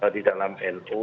di dalam nu